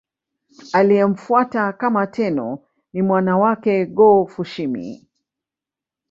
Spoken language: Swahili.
Aliyemfuata kama Tenno ni mwana wake Go-Fushimi.